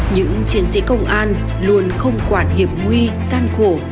những chiến sĩ công an luôn không quản hiểm nguy gian khổ